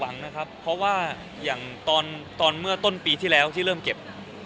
หวังนะครับเพราะว่าอย่างตอนเมื่อต้นปีที่แล้วที่เริ่มเก็บ